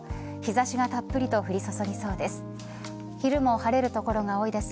日差しがたっぷりと降り注ぎそうです。